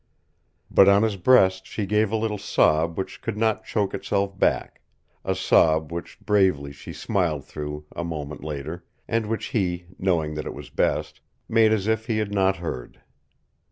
But on his breast she gave a little sob which would not choke itself back, a sob which bravely she smiled through a moment later, and which he knowing that it was best made as if he had not heard.